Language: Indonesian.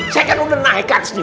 saya kan udah naik atas ini